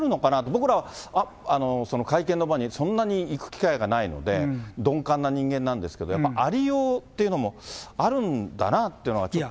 僕らはその会見の場にそんなに行く機会がないので、鈍感な人間なんですけど、やっぱりありようというのもあるんだなっていうのが、ちょっと。